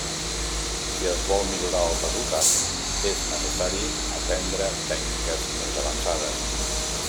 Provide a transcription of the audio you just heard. Si es vol millorar el resultat, és necessari aprendre tècniques més avançades.